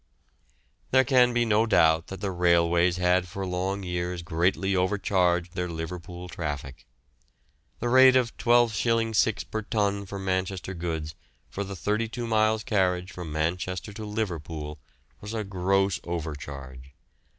There can be no doubt that the railways had for long years greatly overcharged their Liverpool traffic. The rate of 12s 6d per ton for Manchester goods for the thirty two miles' carriage from Manchester to Liverpool was a gross overcharge.